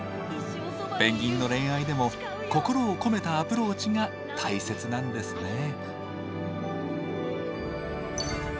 ペンギンの恋愛でも心を込めたアプローチが大切なんですね。